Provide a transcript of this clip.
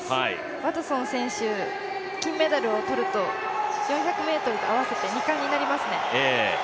ワトソン選手、金メダルを取ると、４００ｍと合わせて２冠になりますね。